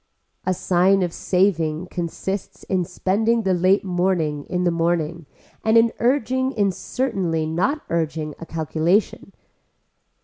A sign of saving consists in spending the late morning in the morning and in urging in certainly not urging a calculation.